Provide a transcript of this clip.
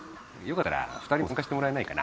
よかったら２人も参加してもらえないかな？